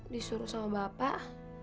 disuruh sama bapak